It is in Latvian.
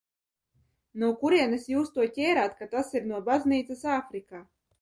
No kurienes jūs to ķērāt, ka tas ir no baznīcas Āfrikā?